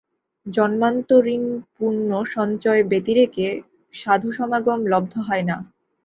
জন্মান্তরীণপুণ্যসঞ্চয় ব্যতিরেকে সাধুসমাগম লব্ধ হয় না।